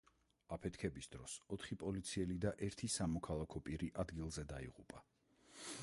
აფეთქების დროს ოთხი პოლიციელი და ერთი სამოქალაქო პირი ადგილზე დაიღუპა.